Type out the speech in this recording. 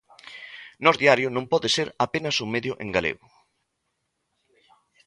Nós Diario non pode ser apenas un medio en galego.